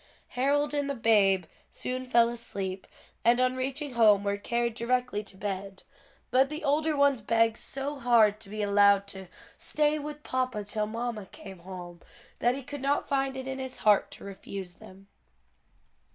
Harold and the babe soon fell asleep, and on reaching home were carried directly to bed; but the older ones begged so hard to be allowed to "stay with papa till mamma came home" that he could not find it in his heart to refuse them.